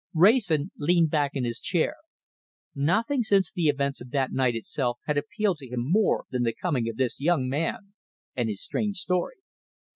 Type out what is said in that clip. Wrayson leaned back in his chair. Nothing since the events of that night itself had appealed to him more than the coming of this young man and his strange story.